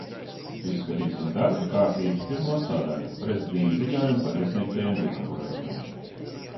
"Izskatīsim darba kārtības pirmo sadaļu "Prezidija ziņojumi par iesniegtajiem likumprojektiem"."